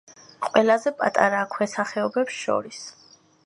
ყველაზე პატარაა ქვესახეობებს შორის.